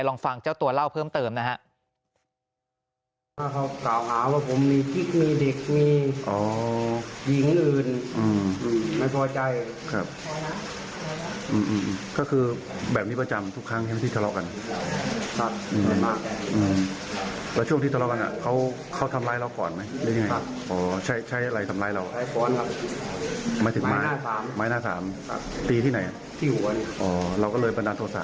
ลองฟังเจ้าตัวเล่าเพิ่มเติมนะฮะ